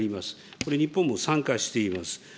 これ、日本も参加しています。